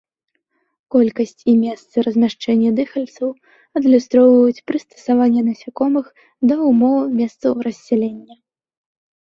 Колькасць і месцы размяшчэння дыхальцаў адлюстроўваюць прыстасаванне насякомых да ўмоў месцаў рассялення.